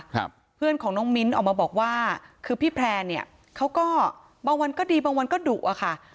เพื่อนของน้องมิ้นออกมาบอกว่าคือพี่แพร่เนี่ยเขาก็บางวันก็ดีบางวันก็ดุอะค่ะ